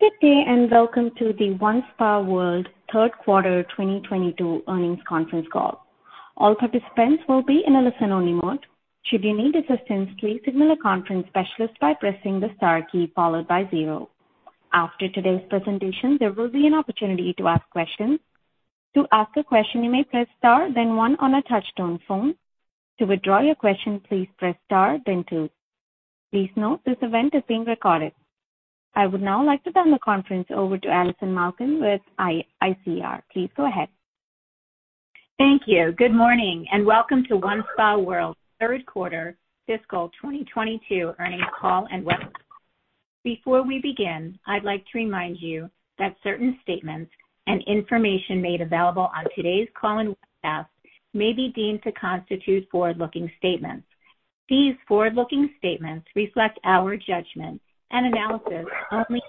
Good day, and welcome to the OneSpaWorld third quarter 2022 earnings conference call. All participants will be in a listen-only mode. Should you need assistance, please signal a conference specialist by pressing the star key followed by zero. After today's presentation, there will be an opportunity to ask questions. To ask a question, you may press star then one on a touch-tone phone. To withdraw your question, please press star then two. Please note this event is being recorded. I would now like to turn the conference over to Allison Malkin with ICR. Please go ahead. Thank you. Good morning, and welcome to OneSpaWorld third quarter fiscal 2022 earnings call and webcast. Before we begin, I'd like to remind you that certain statements and information made available on today's call and webcast may be deemed to constitute forward-looking statements. These forward-looking statements reflect our judgment and analysis only.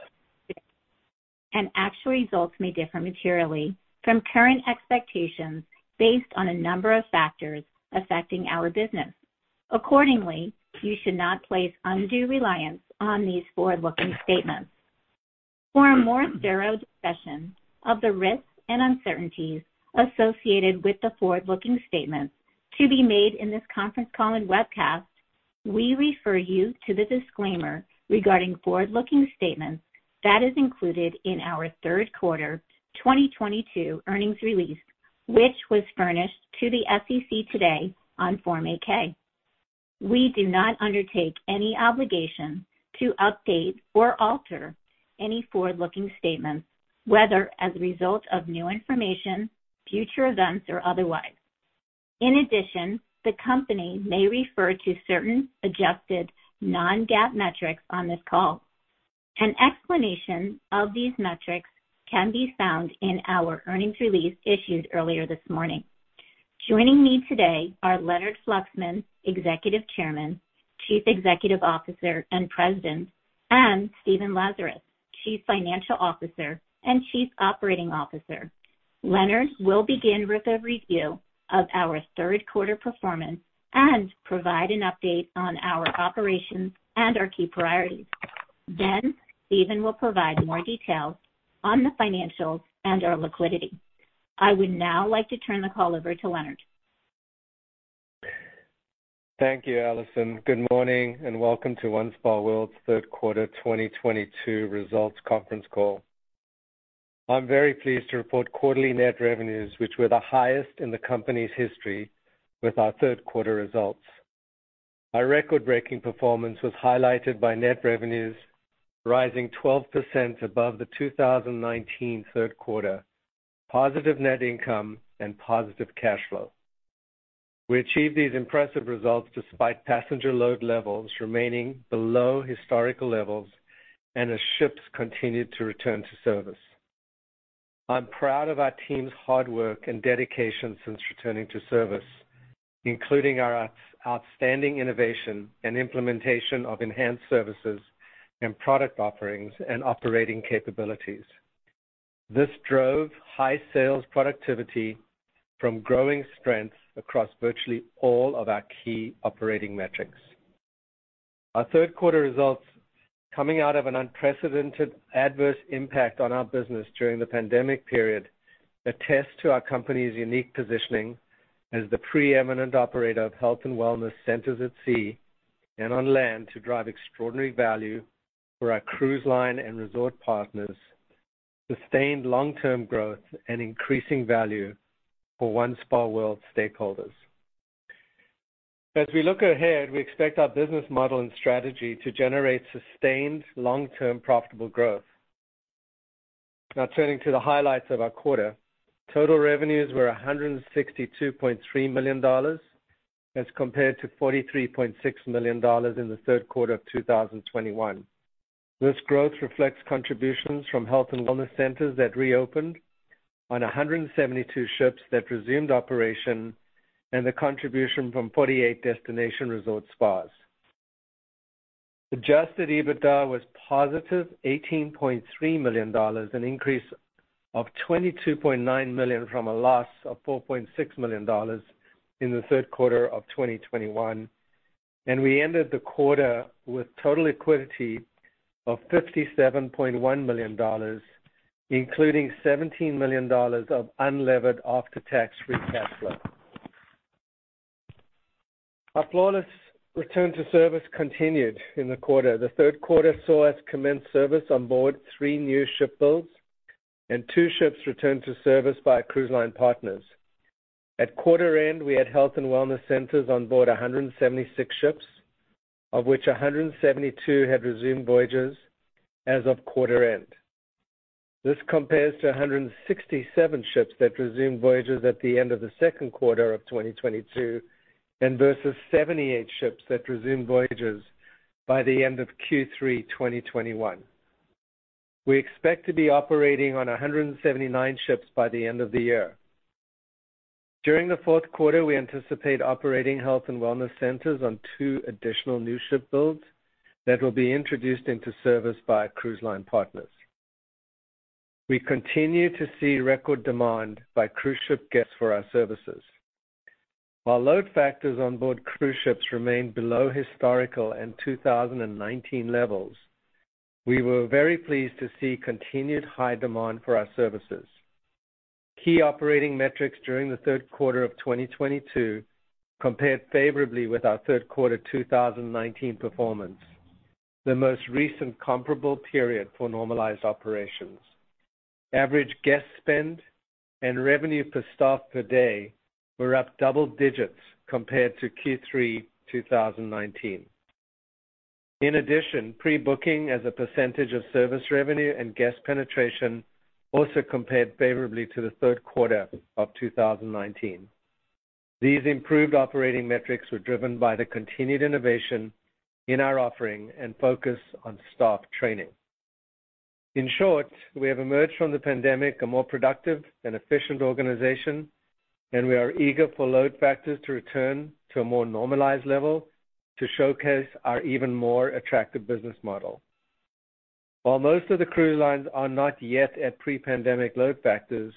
Actual results may differ materially from current expectations based on a number of factors affecting our business. Accordingly, you should not place undue reliance on these forward-looking statements. For a more thorough discussion of the risks and uncertainties associated with the forward-looking statements to be made in this conference call and webcast, we refer you to the disclaimer regarding forward-looking statements that is included in our third quarter 2022 earnings release, which was furnished to the SEC today on Form 8-K. We do not undertake any obligation to update or alter any forward-looking statements, whether as a result of new information, future events, or otherwise. In addition, the company may refer to certain adjusted non-GAAP metrics on this call. An explanation of these metrics can be found in our earnings release issued earlier this morning. Joining me today are Leonard Fluxman, Executive Chairman, Chief Executive Officer, and President, and Stephen Lazarus, Chief Financial Officer and Chief Operating Officer. Leonard will begin with a review of our third quarter performance and provide an update on our operations and our key priorities. Then Stephen will provide more details on the financials and our liquidity. I would now like to turn the call over to Leonard. Thank you, Allison. Good morning and welcome to OneSpaWorld's third quarter 2022 results conference call. I'm very pleased to report quarterly net revenues which were the highest in the company's history with our third quarter results. Our record-breaking performance was highlighted by net revenues rising 12% above the 2019 third quarter, positive net income and positive cash flow. We achieved these impressive results despite passenger load levels remaining below historical levels and as ships continued to return to service. I'm proud of our team's hard work and dedication since returning to service, including our outstanding innovation and implementation of enhanced services and product offerings and operating capabilities. This drove high sales productivity from growing strengths across virtually all of our key operating metrics. Our third quarter results coming out of an unprecedented adverse impact on our business during the pandemic period attest to our company's unique positioning as the preeminent operator of health and wellness centers at sea and on land to drive extraordinary value for our cruise line and resort partners, sustained long-term growth, and increasing value for OneSpaWorld stakeholders. As we look ahead, we expect our business model and strategy to generate sustained long-term profitable growth. Now turning to the highlights of our quarter. Total revenues were $162.3 million as compared to $43.6 million in the third quarter of 2021. This growth reflects contributions from health and wellness centers that reopened on 172 ships that resumed operation and the contribution from 48 destination resort spas. Adjusted EBITDA was positive $18.3 million, an increase of $22.9 million from a loss of $4.6 million in the third quarter of 2021. We ended the quarter with total liquidity of $57.1 million, including $17 million of unlevered after-tax free cash flow. Our flawless return to service continued in the quarter. The third quarter saw us commence service on board three new ship builds and two ships returned to service by cruise line partners. At quarter end, we had health and wellness centers on board 176 ships, of which 172 had resumed voyages as of quarter end. This compares to 167 ships that resumed voyages at the end of the second quarter of 2022 and versus 78 ships that resumed voyages by the end of Q3 2021. We expect to be operating on 179 ships by the end of the year. During the fourth quarter, we anticipate operating health and wellness centers on two additional new ship builds that will be introduced into service by our cruise line partners. We continue to see record demand by cruise ship guests for our services. While load factors on board cruise ships remain below historical and 2019 levels, we were very pleased to see continued high demand for our services. Key operating metrics during the third quarter of 2022 compared favorably with our third quarter 2019 performance, the most recent comparable period for normalized operations. Average guest spend and revenue per staff per day were up double digits compared to Q3 2019. In addition, pre-booking as a percentage of service revenue and guest penetration also compared favorably to the third quarter of 2019. These improved operating metrics were driven by the continued innovation in our offering and focus on staff training. In short, we have emerged from the pandemic a more productive and efficient organization, and we are eager for load factors to return to a more normalized level to showcase our even more attractive business model. While most of the cruise lines are not yet at pre-pandemic load factors,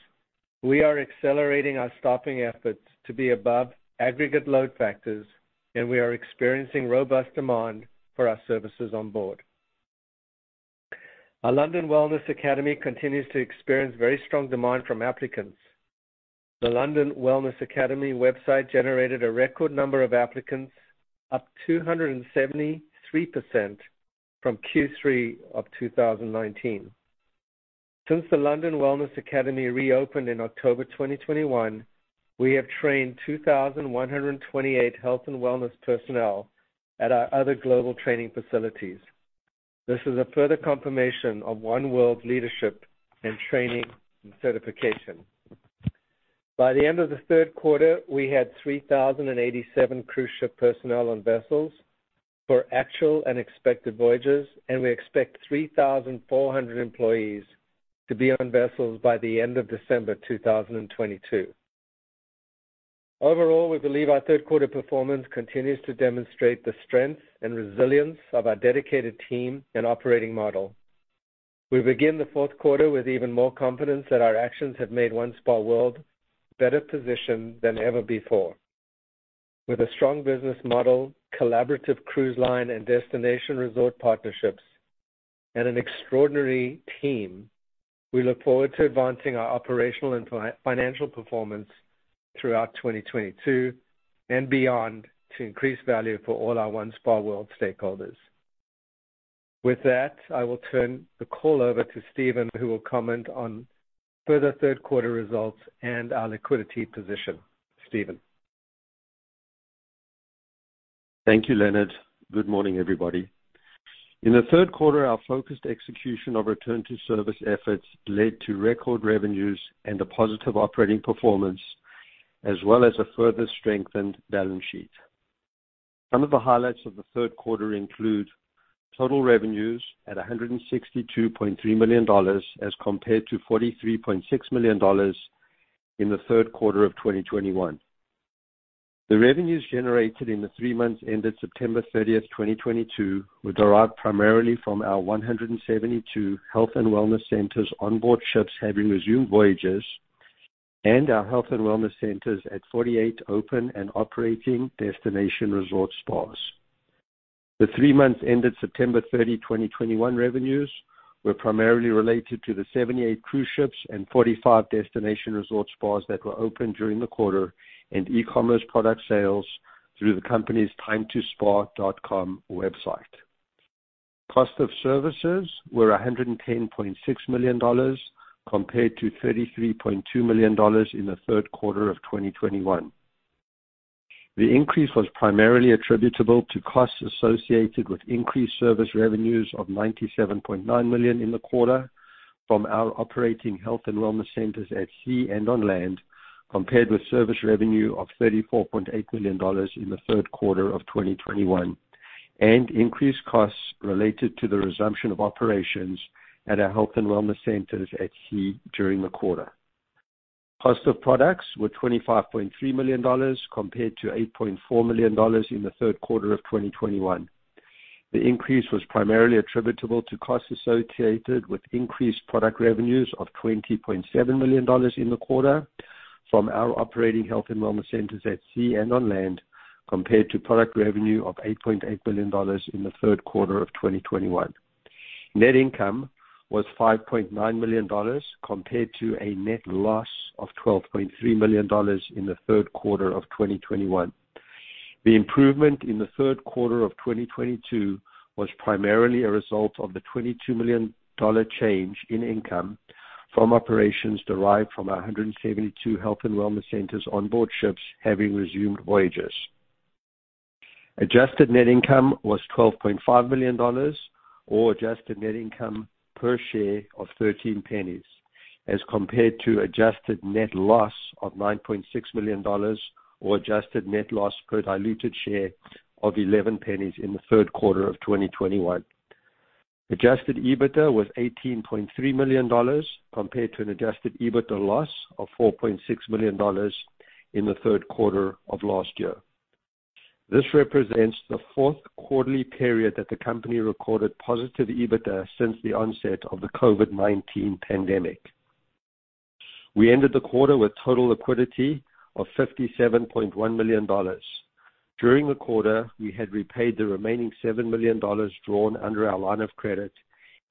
we are accelerating our staffing efforts to be above aggregate load factors, and we are experiencing robust demand for our services on board. Our London Wellness Academy continues to experience very strong demand from applicants. The London Wellness Academy website generated a record number of applicants, up 273% from Q3 of 2019. Since the London Wellness Academy reopened in October 2021, we have trained 2,128 health and wellness personnel at our other global training facilities. This is a further confirmation of OneSpaWorld's leadership in training and certification. By the end of the third quarter, we had 3,087 cruise ship personnel on vessels for actual and expected voyages, and we expect 3,400 employees to be on vessels by the end of December 2022. Overall, we believe our third quarter performance continues to demonstrate the strength and resilience of our dedicated team and operating model. We begin the fourth quarter with even more confidence that our actions have made OneSpaWorld better positioned than ever before. With a strong business model, collaborative cruise line and destination resort partnerships, and an extraordinary team, we look forward to advancing our operational and financial performance throughout 2022 and beyond to increase value for all our OneSpaWorld stakeholders. With that, I will turn the call over to Stephen, who will comment on further third quarter results and our liquidity position. Stephen. Thank you, Leonard. Good morning, everybody. In the third quarter, our focused execution of return-to-service efforts led to record revenues and a positive operating performance, as well as a further strengthened balance sheet. Some of the highlights of the third quarter include total revenues at $162.3 million as compared to $43.6 million in the third quarter of 2021. The revenues generated in the three months ended September 30, 2022, were derived primarily from our 172 health and wellness centers on board ships having resumed voyages and our health and wellness centers at 48 open and operating destination resort spas. The three months ended September 30, 2021 revenues were primarily related to the 78 cruise ships and 45 destination resort spas that were open during the quarter and e-commerce product sales through the company's timetospa.com website. Cost of services were $110.6 million compared to $33.2 million in the third quarter of 2021. The increase was primarily attributable to costs associated with increased service revenues of $97.9 million in the quarter from our operating health and wellness centers at sea and on land, compared with service revenue of $34.8 million in the third quarter of 2021. Increased costs related to the resumption of operations at our health and wellness centers at sea during the quarter. Cost of products were $25.3 million compared to $8.4 million in the third quarter of 2021. The increase was primarily attributable to costs associated with increased product revenues of $20.7 million in the quarter from our operating health and wellness centers at sea and on land, compared to product revenue of $8.8 million in the third quarter of 2021. Net income was $5.9 million compared to a net loss of $12.3 million in the third quarter of 2021. The improvement in the third quarter of 2022 was primarily a result of the $22 million change in income from operations derived from our 172 health and wellness centers on board ships having resumed voyages. Adjusted net income was $12.5 million or adjusted net income per share of $0.13, as compared to adjusted net loss of $9.6 million or adjusted net loss per diluted share of $0.11 in the third quarter of 2021. Adjusted EBITDA was $18.3 million compared to an adjusted EBITDA loss of $4.6 million in the third quarter of last year. This represents the fourth quarterly period that the company recorded positive EBITDA since the onset of the COVID-19 pandemic. We ended the quarter with total liquidity of $57.1 million. During the quarter, we had repaid the remaining $7 million drawn under our line of credit,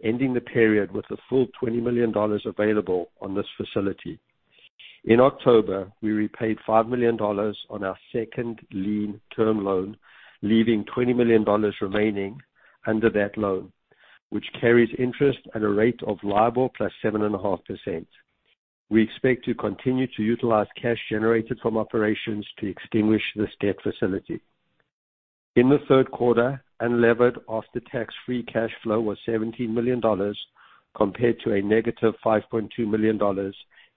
ending the period with a full $20 million available on this facility. In October, we repaid $5 million on our second lien term loan, leaving $20 million remaining under that loan, which carries interest at a rate of LIBOR + 7.5%. We expect to continue to utilize cash generated from operations to extinguish this debt facility. In the third quarter, unlevered after-tax free cash flow was $17 million compared to a -$5.2 million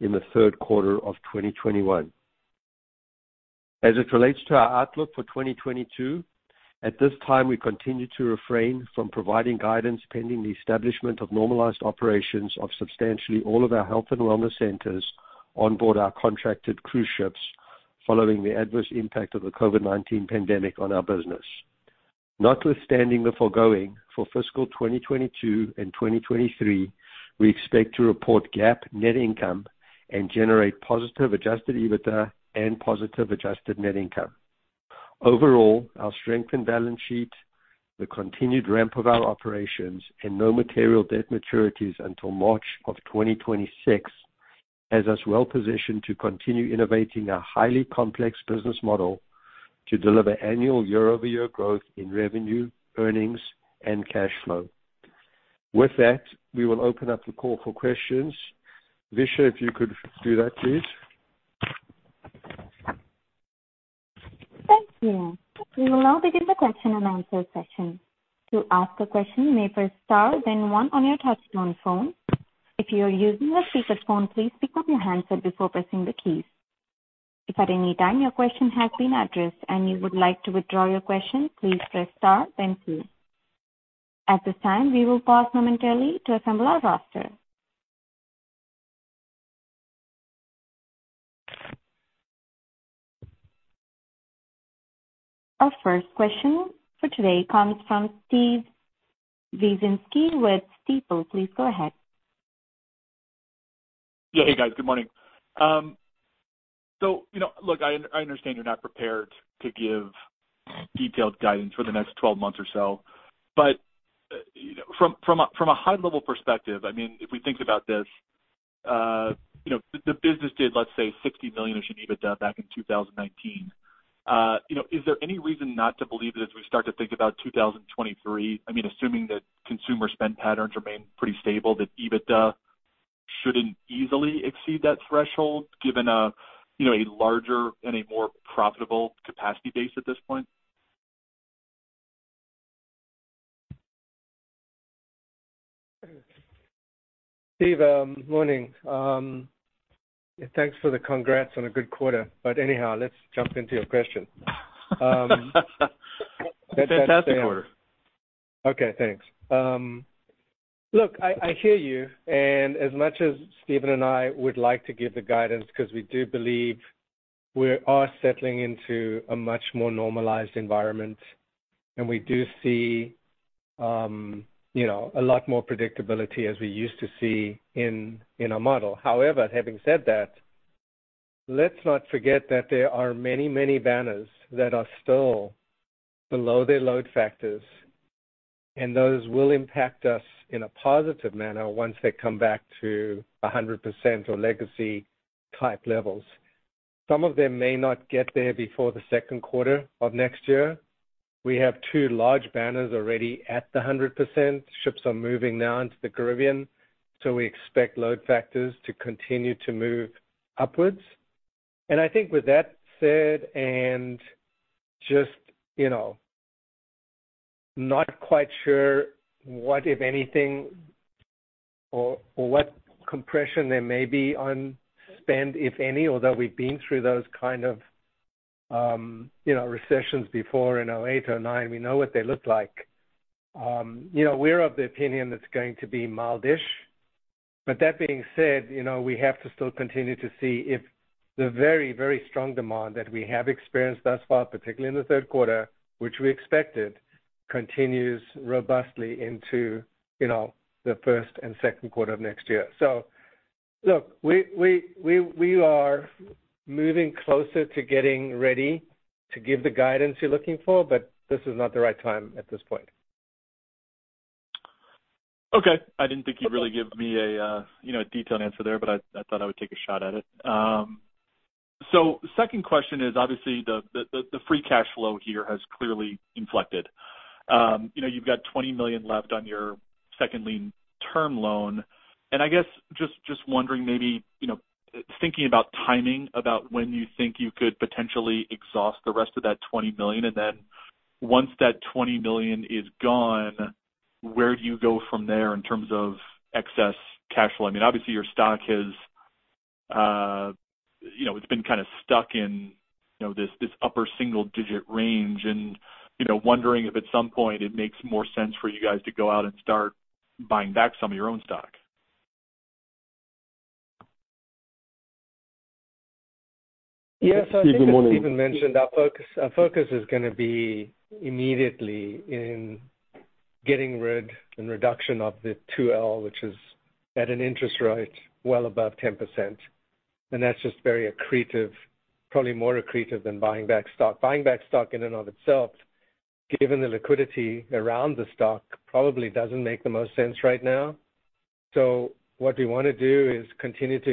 in the third quarter of 2021. As it relates to our outlook for 2022, at this time, we continue to refrain from providing guidance pending the establishment of normalized operations of substantially all of our health and wellness centers on board our contracted cruise ships following the adverse impact of the COVID-19 pandemic on our business. Notwithstanding the foregoing, for fiscal 2022 and 2023, we expect to report GAAP net income and generate positive adjusted EBITDA and positive adjusted net income. Overall, our strengthened balance sheet, the continued ramp of our operations, and no material debt maturities until March of 2026 has us well positioned to continue innovating our highly complex business model to deliver annual year-over-year growth in revenue, earnings, and cash flow. With that, we will open up the call for questions. Visha, if you could do that, please. Thank you. We will now begin the question and answer session. To ask a question, you may press star then one on your touchtone phone. If you are using a speakerphone, please pick up your handset before pressing the keys. If at any time your question has been addressed and you would like to withdraw your question, please press star then two. At this time, we will pause momentarily to assemble our roster. Our first question for today comes from Steven Wieczynski with Stifel. Please go ahead. Yeah. Hey, guys. Good morning. So, you know, look, I understand you're not prepared to give detailed guidance for the next 12 months or so. You know, from a high level perspective, I mean, if we think about this, you know, the business did, let's say, $60 million of EBITDA back in 2019. You know, is there any reason not to believe that as we start to think about 2023, I mean, assuming that consumer spend patterns remain pretty stable, that EBITDA shouldn't easily exceed that threshold given a larger and a more profitable capacity base at this point? Steve, morning. Thanks for the congrats on a good quarter. Anyhow, let's jump into your question. Fantastic quarter. Okay, thanks. Look, I hear you, and as much as Stephen and I would like to give the guidance because we do believe we are settling into a much more normalized environment, and we do see, you know, a lot more predictability as we used to see in our model. However, having said that, let's not forget that there are many, many banners that are still below their load factors, and those will impact us in a positive manner once they come back to 100% or legacy type levels. Some of them may not get there before the second quarter of next year. We have two large banners already at the 100%. Ships are moving now into the Caribbean, so we expect load factors to continue to move upwards. I think with that said, just, you know, not quite sure what, if anything, or what compression there may be on spend, if any. Although we've been through those kind of, you know, recessions before in 2008, 2009. We know what they look like. You know, we're of the opinion it's going to be mild-ish. That being said, you know, we have to still continue to see if the very, very strong demand that we have experienced thus far, particularly in the third quarter, which we expected, continues robustly into, you know, the first and second quarter of next year. Look, we are moving closer to getting ready to give the guidance you're looking for, but this is not the right time at this point. Okay. I didn't think you'd really give me a, you know, a detailed answer there, but I thought I would take a shot at it. So second question is obviously the free cash flow here has clearly inflected. You know, you've got $20 million left on your second lien term loan. I guess just wondering maybe, you know, thinking about timing about when you think you could potentially exhaust the rest of that $20 million. Then once that $20 million is gone, where do you go from there in terms of excess cash flow? I mean, obviously your stock has, you know, it's been kinda stuck in, you know, this upper single digit range. You know, wondering if at some point it makes more sense for you guys to go out and start buying back some of your own stock. Yes, I think as Stephen mentioned, our focus is gonna be immediately in getting rid and reduction of the 2L, which is at an interest rate well above 10%. That's just very accretive, probably more accretive than buying back stock. Buying back stock in and of itself, given the liquidity around the stock, probably doesn't make the most sense right now. What we wanna do is continue to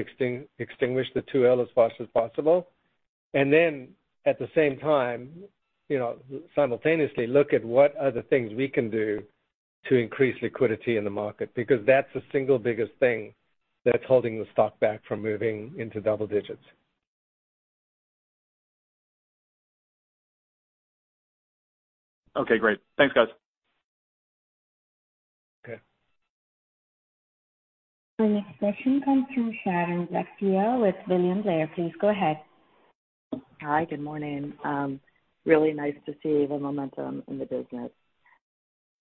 extinguish the 2L as fast as possible. Then at the same time, you know, simultaneously look at what other things we can do to increase liquidity in the market, because that's the single biggest thing that's holding the stock back from moving into double digits. Okay, great. Thanks, guys. Okay. Our next question comes from Sharon Zackfia with William Blair. Please go ahead. Hi, good morning. Really nice to see the momentum in the business.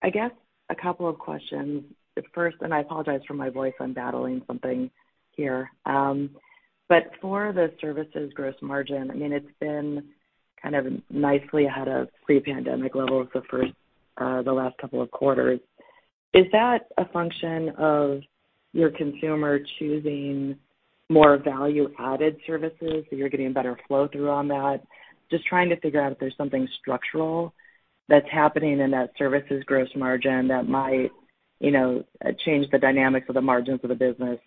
I guess a couple of questions. The first, I apologize for my voice, I'm battling something here. For the services gross margin, I mean, it's been kind of nicely ahead of pre-pandemic levels the first, the last couple of quarters. Is that a function of your consumer choosing more value-added services, so you're getting better flow through on that? Just trying to figure out if there's something structural that's happening in that services gross margin that might, you know, change the dynamics of the margins of the business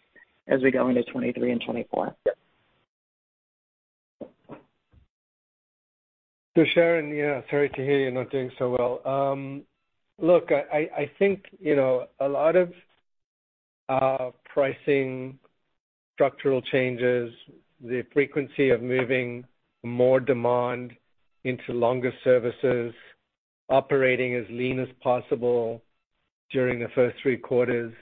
as we go into 2023 and 2024. Sharon, yeah, sorry to hear you're not doing so well. Look, I think, you know, a lot of pricing structural changes, the frequency of moving more demand into longer services, operating as lean as possible during the first three quarters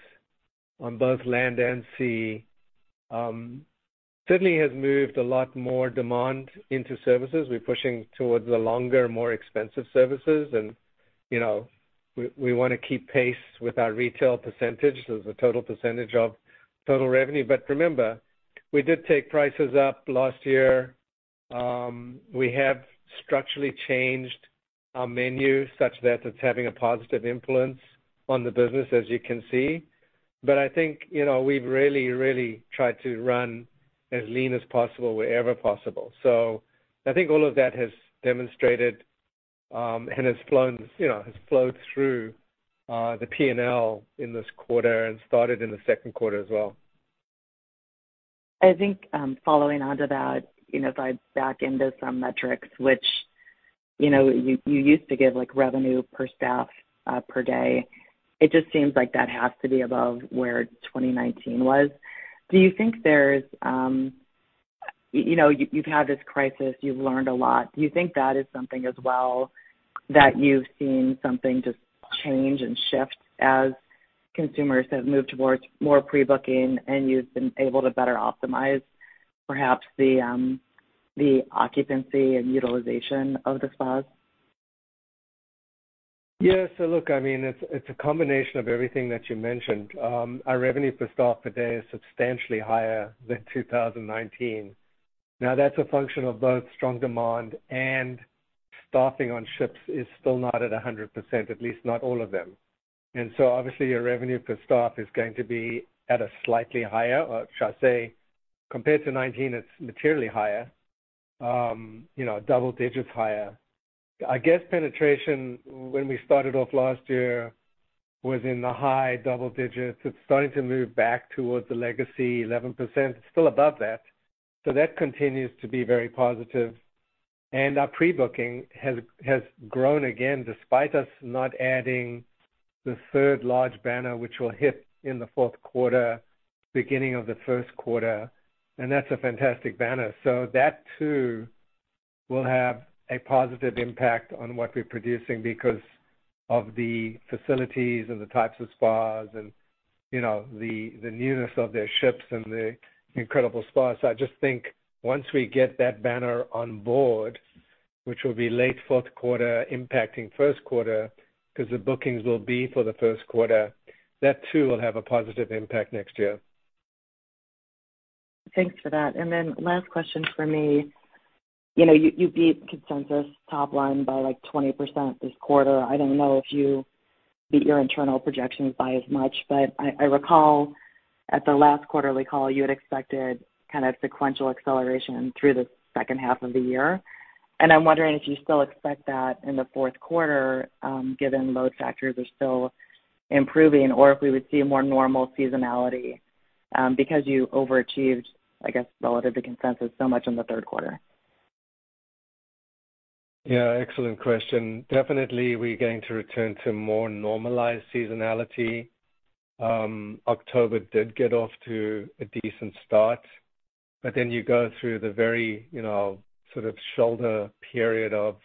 on both land and sea, certainly has moved a lot more demand into services. We're pushing towards the longer, more expensive services and, you know, we wanna keep pace with our retail percentage. The total percentage of total revenue. Remember, we did take prices up last year. We have structurally changed our menu such that it's having a positive influence on the business, as you can see. I think, you know, we've really tried to run as lean as possible wherever possible. I think all of that has demonstrated and has flowed through, you know, the P&L in this quarter and started in the second quarter as well. I think, following on to that, you know, if I back into some metrics which, you know, you used to give, like revenue per staff per day, it just seems like that has to be above where 2019 was. Do you think there's? You know, you've had this crisis, you've learned a lot. Do you think that is something as well that you've seen something just change and shift as consumers have moved towards more pre-booking and you've been able to better optimize perhaps the occupancy and utilization of the spas? Yeah. Look, I mean, it's a combination of everything that you mentioned. Our revenue per staff per day is substantially higher than 2019. Now, that's a function of both strong demand and staffing on ships is still not at 100%, at least not all of them. Obviously, your revenue per staff is going to be at a slightly higher, or should I say, compared to 2019, it's materially higher, you know, double digits higher. I guess penetration when we started off last year was in the high double digits. It's starting to move back towards the legacy 11%. It's still above that. That continues to be very positive. Our pre-booking has grown again, despite us not adding the third large banner, which will hit in the fourth quarter, beginning of the first quarter. That's a fantastic banner. That too will have a positive impact on what we're producing because of the facilities and the types of spas and, you know, the newness of their ships and the incredible spas. I just think once we get that banner on board, which will be late fourth quarter, impacting first quarter, 'cause the bookings will be for the first quarter, that too will have a positive impact next year. Thanks for that. Last question for me. You know, you beat consensus top line by like 20% this quarter. I don't know if you beat your internal projections by as much, but I recall at the last quarterly call, you had expected kind of sequential acceleration through the second half of the year. I'm wondering if you still expect that in the fourth quarter, given load factors are still improving or if we would see a more normal seasonality, because you overachieved, I guess, relative to consensus so much in the third quarter. Yeah, excellent question. Definitely, we're going to return to more normalized seasonality. October did get off to a decent start, but then you go through the very, you know, sort of shoulder period of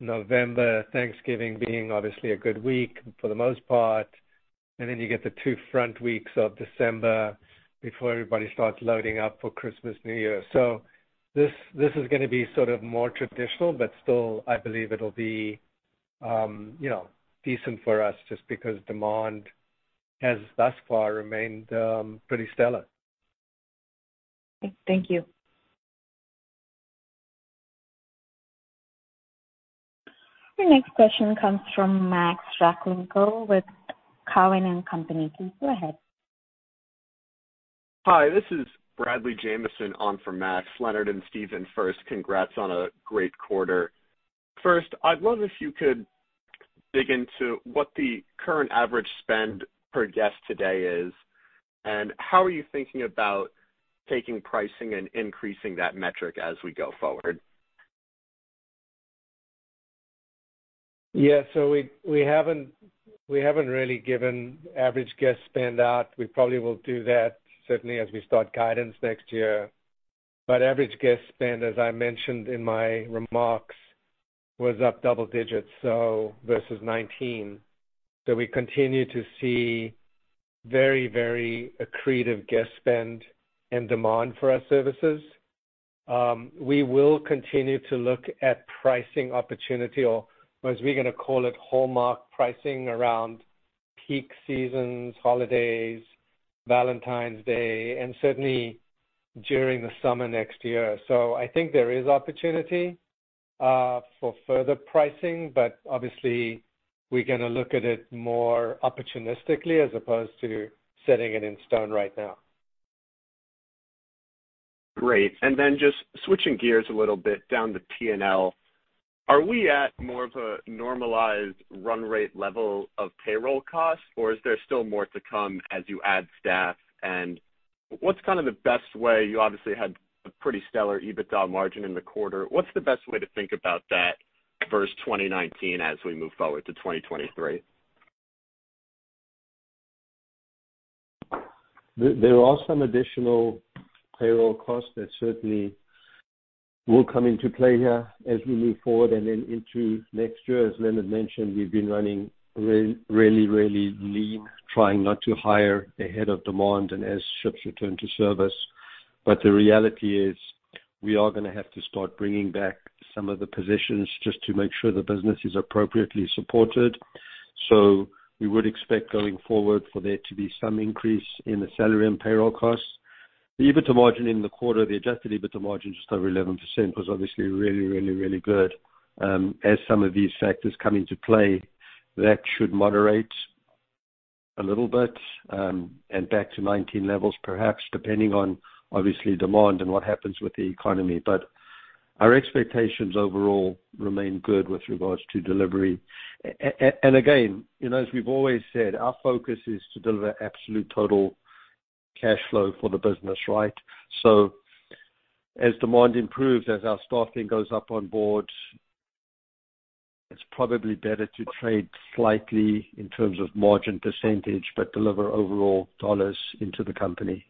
November, Thanksgiving being obviously a good week for the most part. You get the two front weeks of December before everybody starts loading up for Christmas, New Year. This is gonna be sort of more traditional, but still, I believe it'll be, you know, decent for us just because demand has thus far remained pretty stellar. Thank you. Your next question comes from Maksim Rakhlenko with Cowen and Company. Please go ahead. Hi, this is Bradley Jameson on for Max. Leonard and Stephen, first, congrats on a great quarter. First, I'd love if you could dig into what the current average spend per guest today is, and how are you thinking about taking pricing and increasing that metric as we go forward? Yeah. We haven't really given average guest spend out. We probably will do that certainly as we start guidance next year. Average guest spend, as I mentioned in my remarks, was up double digits, so versus 2019. We continue to see very accretive guest spend and demand for our services. We will continue to look at pricing opportunity or as we're gonna call it, hallmark pricing around peak seasons, holidays, Valentine's Day, and certainly during the summer next year. I think there is opportunity for further pricing, but obviously we're gonna look at it more opportunistically as opposed to setting it in stone right now. Great. Just switching gears a little bit down to P&L. Are we at more of a normalized run rate level of payroll costs, or is there still more to come as you add staff? What's kinda the best way, you obviously had a pretty stellar EBITDA margin in the quarter. What's the best way to think about that versus 2019 as we move forward to 2023? There are some additional payroll costs that certainly will come into play here as we move forward and then into next year. As Leonard mentioned, we've been running really lean, trying not to hire ahead of demand and as ships return to service. The reality is we are gonna have to start bringing back some of the positions just to make sure the business is appropriately supported. We would expect going forward for there to be some increase in the salary and payroll costs. The EBITDA margin in the quarter, the adjusted EBITDA margin, just over 11%, was obviously really good. As some of these factors come into play, that should moderate a little bit, and back to 2019 levels, perhaps, depending on obviously demand and what happens with the economy. Our expectations overall remain good with regards to delivery. Again, you know, as we've always said, our focus is to deliver absolute total cash flow for the business, right? As demand improves, as our staffing goes up on board, it's probably better to trade slightly in terms of margin percentage, but deliver overall dollars into the company.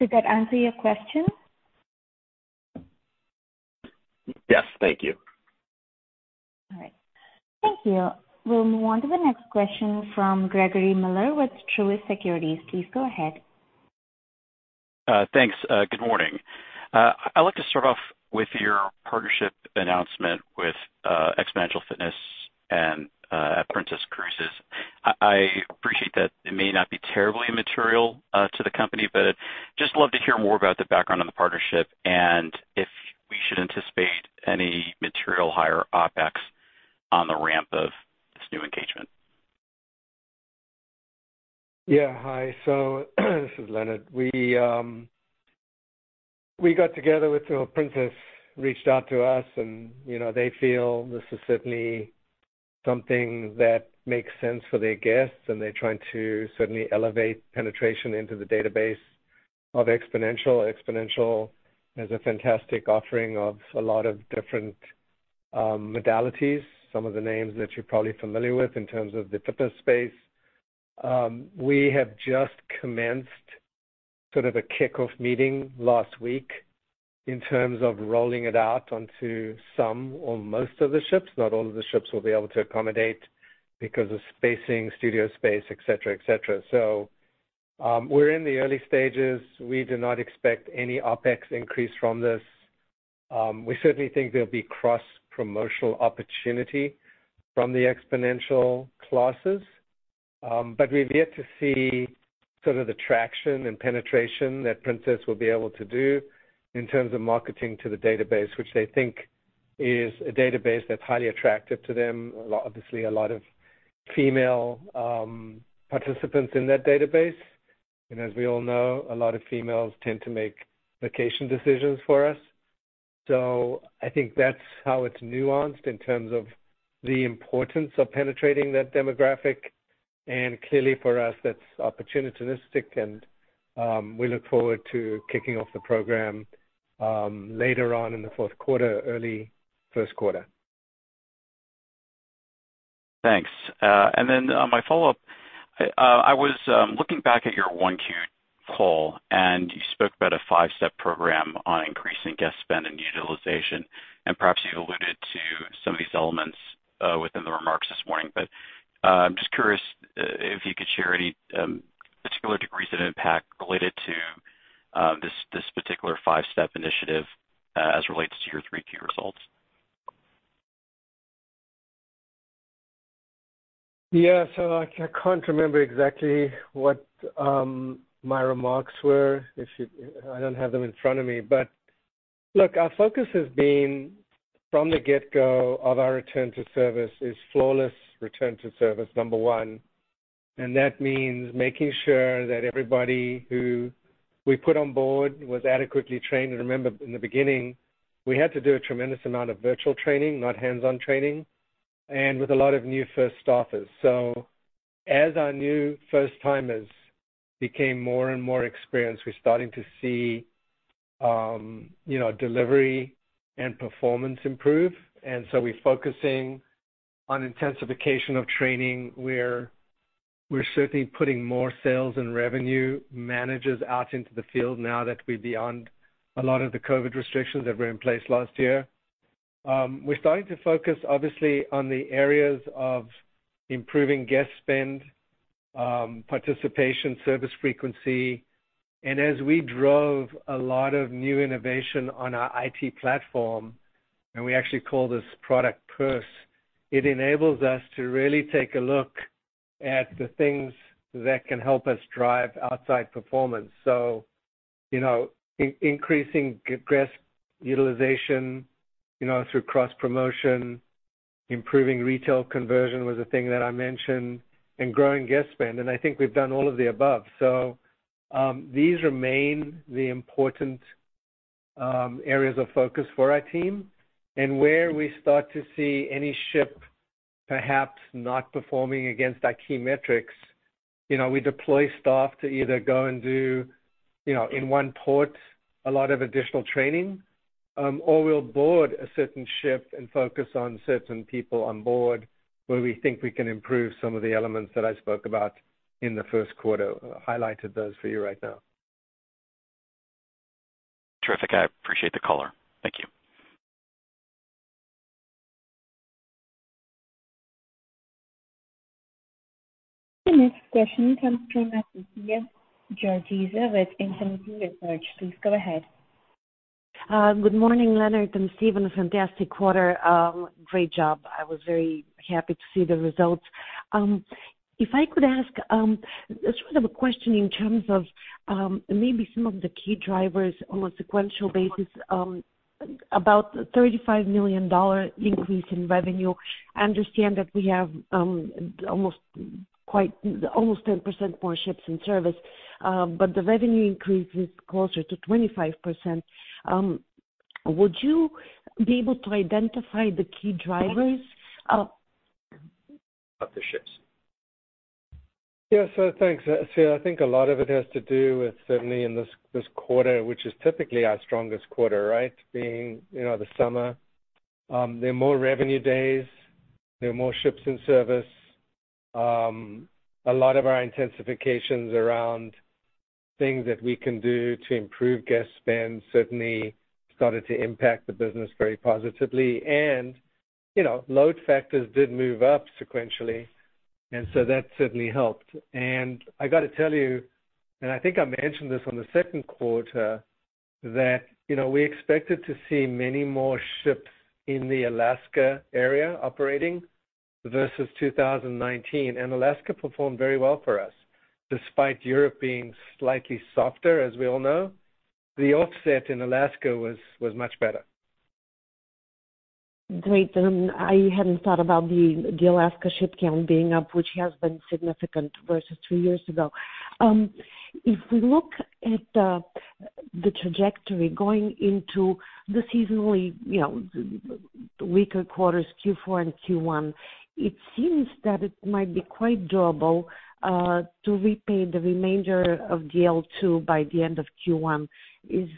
Did that answer your question? Yes. Thank you. All right. Thank you. We'll move on to the next question from Gregory Miller with Truist Securities. Please go ahead. Thanks. Good morning. I'd like to start off with your partnership announcement with Xponential Fitness and Princess Cruises. I appreciate that it may not be terribly material to the company, but just love to hear more about the background on the partnership and if we should anticipate any material higher OpEx on the ramp of this new engagement. Yeah. Hi. This is Leonard. Princess reached out to us and, you know, they feel this is certainly something that makes sense for their guests, and they're trying to certainly elevate penetration into the database of Xponential. Xponential has a fantastic offering of a lot of different modalities. Some of the names that you're probably familiar with in terms of the fitness space. We have just commenced sort of a kickoff meeting last week in terms of rolling it out onto some or most of the ships. Not all of the ships will be able to accommodate because of spacing, studio space, et cetera, et cetera. We're in the early stages. We do not expect any OpEx increase from this. We certainly think there'll be cross-promotional opportunity from the Xponential classes. We've yet to see sort of the traction and penetration that Princess will be able to do in terms of marketing to the database, which they think is a database that's highly attractive to them. A lot, obviously, a lot of female participants in that database. As we all know, a lot of females tend to make vacation decisions for us. I think that's how it's nuanced in terms of the importance of penetrating that demographic. Clearly for us, that's opportunistic and we look forward to kicking off the program later on in the fourth quarter, early first quarter. Thanks. My follow-up. I was looking back at your 1Q call, and you spoke about a 5-step program on increasing guest spend and utilization, and perhaps you alluded to some of these elements. Within the remarks this morning. I'm just curious if you could share any particular degrees of impact related to this particular five-step initiative as it relates to your three key results. Yeah. I can't remember exactly what my remarks were. I don't have them in front of me. Look, our focus has been from the get-go of our return to service is flawless return to service, number one, and that means making sure that everybody who we put on board was adequately trained. Remember, in the beginning, we had to do a tremendous amount of virtual training, not hands-on training, and with a lot of new first staffers. As our new first-timers became more and more experienced, we're starting to see, you know, delivery and performance improve. We're focusing on intensification of training where we're certainly putting more sales and revenue managers out into the field now that we're beyond a lot of the COVID restrictions that were in place last year. We're starting to focus obviously on the areas of improving guest spend, participation, service frequency. As we drove a lot of new innovation on our IT platform, and we actually call this product PULSE, it enables us to really take a look at the things that can help us drive upside performance. You know, increasing guest utilization, you know, through cross-promotion, improving retail conversion was a thing that I mentioned, and growing guest spend. I think we've done all of the above. These remain the important areas of focus for our team. Where we start to see any ship perhaps not performing against our key metrics, you know, we deploy staff to either go and do, you know, in one port, a lot of additional training, or we'll board a certain ship and focus on certain people on board where we think we can improve some of the elements that I spoke about in the first quarter. I highlighted those for you right now. Terrific. I appreciate the color. Thank you. The next question comes from Assia Georgieva with Infinity Research. Please go ahead. Good morning, Leonard and Stephen. Fantastic quarter. Great job. I was very happy to see the results. If I could ask sort of a question in terms of maybe some of the key drivers on a sequential basis about $35 million increase in revenue. I understand that we have almost 10% more ships in service, but the revenue increase is closer to 25%. Would you be able to identify the key drivers of- Of the ships. Yeah. Thanks, Assia. I think a lot of it has to do with certainly in this quarter, which is typically our strongest quarter, right, being, you know, the summer. There are more revenue days. There are more ships in service. A lot of our intensifications around things that we can do to improve guest spend certainly started to impact the business very positively. You know, load factors did move up sequentially, and so that certainly helped. I got to tell you, I think I mentioned this on the second quarter, that, you know, we expected to see many more ships in the Alaska area operating versus 2019, and Alaska performed very well for us. Despite Europe being slightly softer, as we all know, the offset in Alaska was much better. Great. I hadn't thought about the Alaska ship count being up, which has been significant versus three years ago. If we look at the trajectory going into the seasonally, you know, weaker quarters, Q4 and Q1, it seems that it might be quite doable to repay the remainder of the L2 by the end of Q1. Is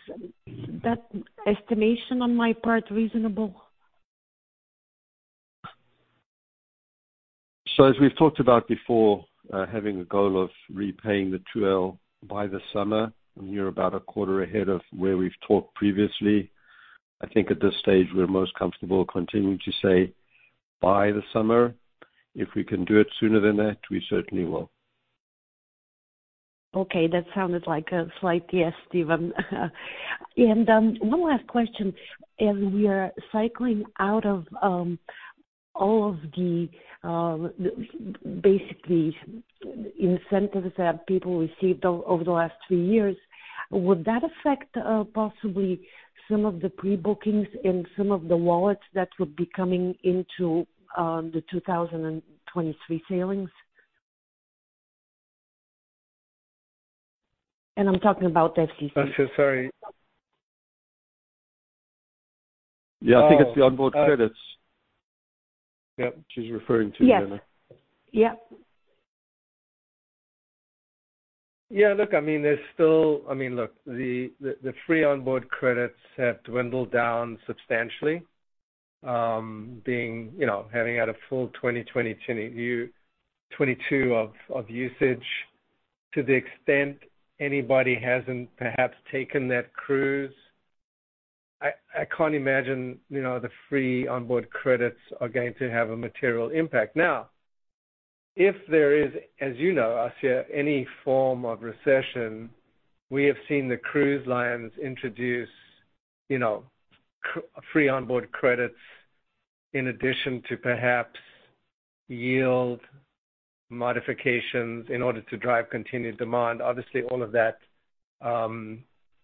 that estimation on my part reasonable? As we've talked about before, having a goal of repaying the 2L by the summer, and we're about a quarter ahead of where we've talked previously. I think at this stage, we're most comfortable continuing to say by the summer. If we can do it sooner than that, we certainly will. Okay. That sounded like a slight yes, Stephen. One last question. As we are cycling out of all of the basically incentives that people received over the last three years, would that affect possibly some of the pre-bookings and some of the wallets that would be coming into the 2023 sailings? I'm talking about FCC. Assia, sorry. Yeah. I think it's the onboard credits. Yep. She's referring to Leonard. Yep. Yep. Yeah. Look, I mean, there's still I mean, look, the free onboard credits have dwindled down substantially, being, you know, having had a full 2020, 2021, 2022 of usage. To the extent anybody hasn't perhaps taken that cruise, I can't imagine, you know, the free onboard credits are going to have a material impact. Now, if there is, as you know, Assia, any form of recession, we have seen the cruise lines introduce, you know, free onboard credits in addition to perhaps yield modifications in order to drive continued demand. Obviously, all of that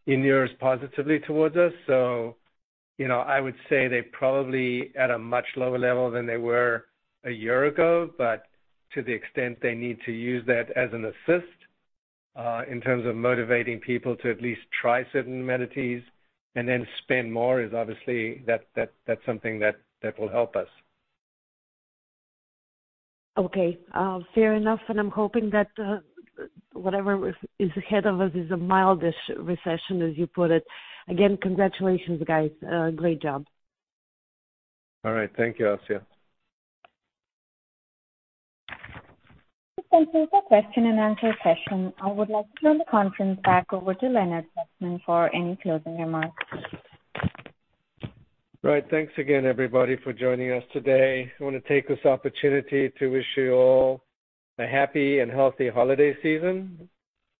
inures positively towards us. You know, I would say they're probably at a much lower level than they were a year ago. To the extent they need to use that as an assist in terms of motivating people to at least try certain amenities and then spend more is obviously that's something that will help us. Okay. Fair enough. I'm hoping that whatever is ahead of us is a mild-ish recession, as you put it. Again, congratulations, guys. Great job. All right. Thank you, Assia. This concludes the question and answer session. I would like to turn the conference back over to Leonard Fluxman for any closing remarks. Right. Thanks again, everybody, for joining us today. I wanna take this opportunity to wish you all a happy and healthy holiday season.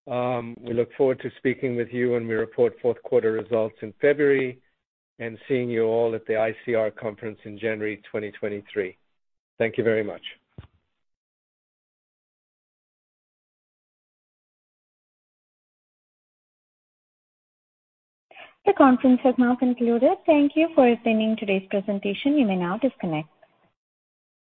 We look forward to speaking with you when we report fourth quarter results in February and seeing you all at the ICR conference in January 2023. Thank you very much. The conference has now concluded. Thank you for attending today's presentation. You may now disconnect.